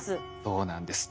そうなんです。